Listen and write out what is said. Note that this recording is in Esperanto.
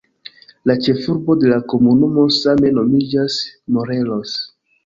La ĉefurbo de la komunumo same nomiĝas "Morelos".